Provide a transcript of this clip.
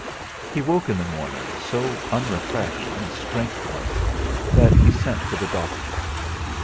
He woke in the morning so unrefreshed and strengthless that he sent for the doctor.